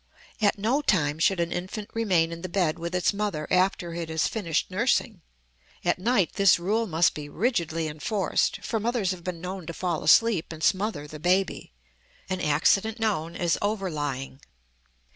At no time should an infant remain in the bed with its mother after it has finished nursing; at night this rule must be rigidly enforced, for mothers have been known to fall asleep and smother the baby, an accident known as over lying.